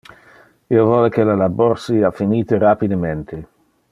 Io vole que le labor sia finite rapidemente.